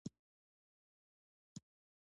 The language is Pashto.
افغانستان کې ژبې د خلکو د خوښې وړ ځای دی.